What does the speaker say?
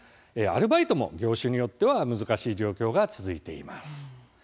アルバイトも業種によっては難しい状況が続いています。